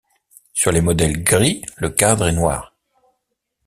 Sur les modèles gris, le cadre est noir.